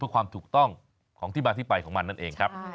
เพื่อความถูกต้องของที่มาที่ไปของมันนั่นเองครับ